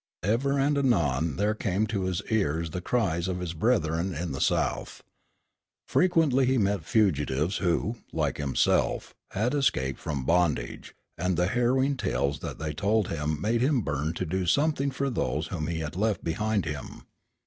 Ever and anon there came to his ears the cries of his brethren in the South. Frequently he met fugitives who, like himself, had escaped from bondage; and the harrowing tales that they told him made him burn to do something for those whom he had left behind him.